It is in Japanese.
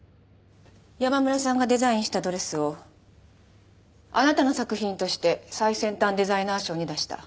山村さんがデザインしたドレスをあなたの作品として最先端デザイナーショーに出した。